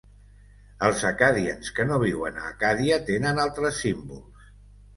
Els acadians que no viuen a Acàdia tenen altres símbols.